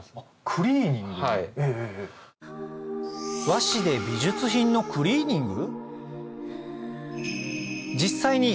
和紙で美術品のクリーニング？